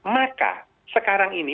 maka sekarang ini